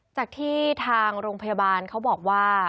จากที่ทางโรงพยาบาลเขาบอกว่า